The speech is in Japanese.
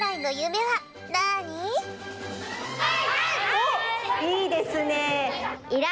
おっいいですね。